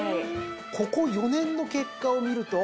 ここ４年の結果を見ると？